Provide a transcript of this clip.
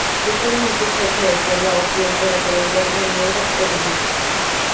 Usualmente está hecha de tela o fieltro de color verde, negro o gris.